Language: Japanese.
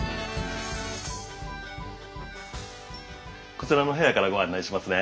こちらの部屋からご案内しますね。